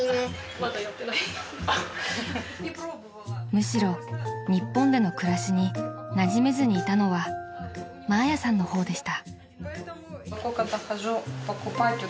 ［むしろ日本での暮らしになじめずにいたのはマーヤさんの方でした］